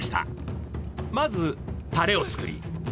まずタレを作り。